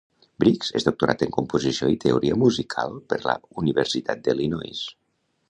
Briggs és doctorat en Composició i Teoria Musical per la Universitat d'Illinois.